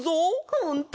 ほんと？